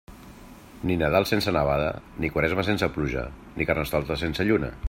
Ni Nadal sense nevada, ni Quaresma sense pluja, ni Carnestoltes sense lluna.